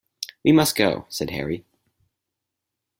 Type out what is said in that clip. "We must go," said Harry.